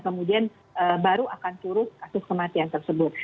kemudian baru akan turun kasus kematian tersebut